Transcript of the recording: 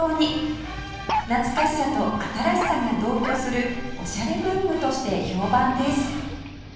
懐かしさと新しさが同居するオシャレ文具として評判です